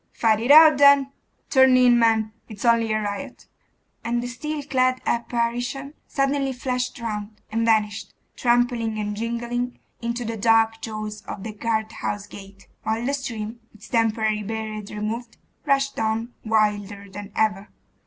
'Fight it out, then. Turn in, men, it's only a riot.' And the steel clad apparition suddenly flashed round, and vanished, trampling and jingling, into the dark jaws of the guardhouse gate, while the stream, its temporary barrier removed, rushed on wilder than ever.